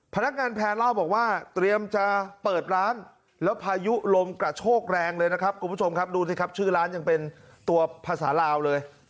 พนักงานแพร่เล่าบอกว่าเตรียมจะเปิดร้านแล้วพายุลมกระโชกแรงเลยนะครับคุณผู้ชมครับดูสิครับชื่อร้านยังเป็นตัวภาษาลาวเลย